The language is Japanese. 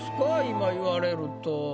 今言われると。